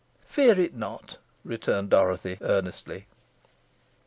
"Fear it not," returned Dorothy, earnestly.